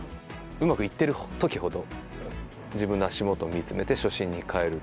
うまくいってるときほど、自分の足元を見つめて、初心に帰る。